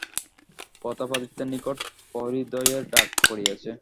প্রতাপাদিত্যের নিকট প্রহরীদ্বয়ের ডাক পড়িয়াছে।